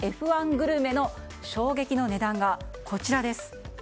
グルメの衝撃の値段がこちら。